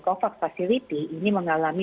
covax facility ini mengalami